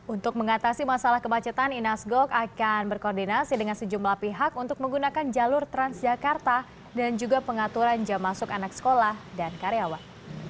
untuk mengatasi masalah kemacetan inas gok akan berkoordinasi dengan sejumlah pihak untuk menggunakan jalur transjakarta dan juga pengaturan jam masuk anak sekolah dan karyawan